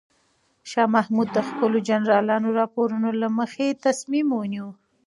شاه محمود د خپلو جنرالانو د راپورونو له مخې تصمیم ونیو.